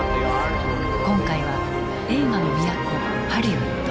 今回は映画の都ハリウッド。